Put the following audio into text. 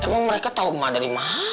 emang mereka tau mak dari mana